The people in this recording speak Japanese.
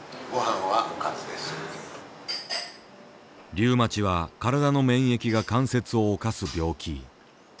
リウマチは体の免疫が関節を侵す病気。